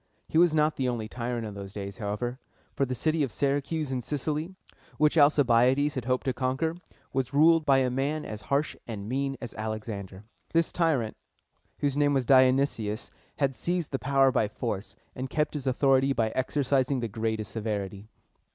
He was not the only tyrant in those days, however; for the city of Syracuse in Sicily, which Alcibiades had hoped to conquer, was ruled by a man as harsh and mean as Alexander. This tyrant, whose name was Di o nys´ius, had seized the power by force, and kept his authority by exercising the greatest severity.